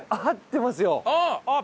あっ！